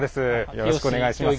よろしくお願いします。